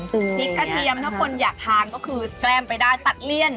พริกกระเทียมถ้าคนอยากทานก็คือแกล้มไปได้ตัดเลี่ยน